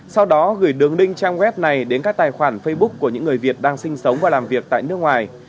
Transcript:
sau đó gửi đường link trang web này đến các tài khoản facebook của những người việt đang sinh sống và làm việc tại nước ngoài